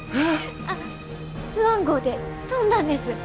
あっスワン号で飛んだんです。